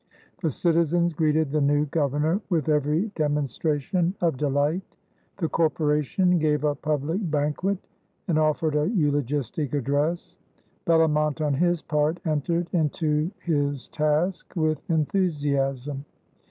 The citizens greeted the new Governor with every demonstration of delight. The corporation gave a public banquet and offered a eulogistic address. Bellomont on his part entered into his task with enthusiasm.